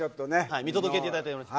見届けていただいております。